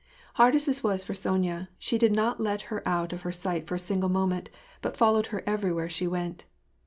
Hard as this was for Sonya, she did not let her out of her sight for a single moment, but followed her everywhere she went.